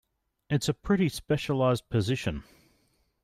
It's a pretty specialized position.